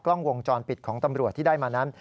กล้องวงจรปิดของตำรวจที่ได้มานั้น